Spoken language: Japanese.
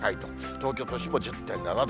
東京都心も１０．７度。